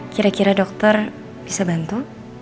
kira kira dokter bisa bantu